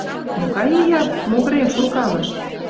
Могай ия могырем шуркалыш?»